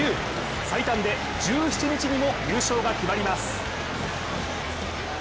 最短で１７日にも優勝が決まります。